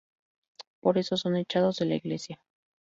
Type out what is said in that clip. Por eso, son echados de la iglesia.